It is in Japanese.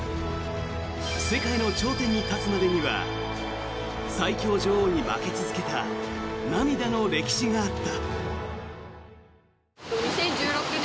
世界の頂点に立つまでには最強女王に負け続けた涙の歴史があった。